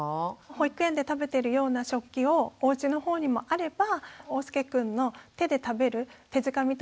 保育園で食べてるような食器をおうちのほうにもあればおうすけくんの手で食べる手づかみ